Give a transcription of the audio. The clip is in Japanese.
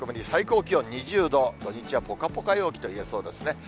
最高気温２０度、土日はぽかぽか陽気といえそうですね。